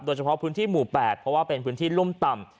เฉพาะพื้นที่หมู่๘เพราะว่าเป็นพื้นที่รุ่มต่ำ